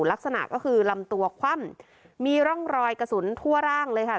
ลักษณะก็คือลำตัวคว่ำมีร่องรอยกระสุนทั่วร่างเลยค่ะ